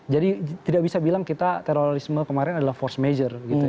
jadi tidak bisa bilang kita terorisme kemarin adalah force major